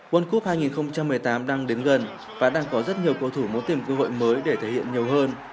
world cup hai nghìn một mươi tám đang đến gần và đang có rất nhiều cầu thủ muốn tìm cơ hội mới để thể hiện nhiều hơn